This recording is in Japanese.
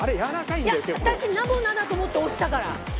私ナボナだと思って押したから。